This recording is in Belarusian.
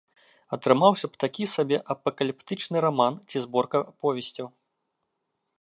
Атрымаўся б такі сабе апакаліптычны раман ці зборка аповесцяў.